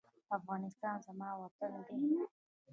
افغانستان زما وطن دی.